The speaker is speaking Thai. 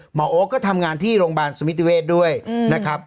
หมอโอ๊คก็ทำงานที่โรงพยาบาลสมิติเวศด้วยนะครับ